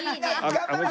頑張れ！